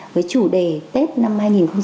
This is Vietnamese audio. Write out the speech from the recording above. với chủ đề tết năm hai nghìn hai mươi